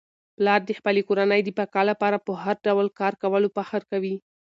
پلار د خپلې کورنی د بقا لپاره په هر ډول کار کولو فخر کوي.